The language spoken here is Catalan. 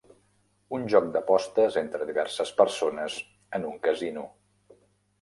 Un joc d'apostes entre diverses persones en un casino.